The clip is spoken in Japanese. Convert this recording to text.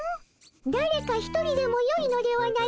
だれか一人でもよいのではないかの。